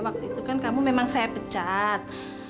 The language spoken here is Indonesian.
waktu itu kan kamu memang saya pecat